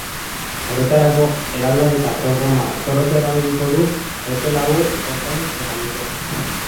Horretarako, eraldaketa-programa zorrotza erabiliko du epe labur, ertain eta luzera.